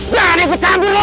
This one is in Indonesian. berani bertandung lo